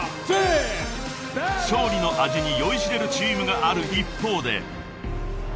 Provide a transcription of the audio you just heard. ［勝利の味に酔いしれるチームがある一方で］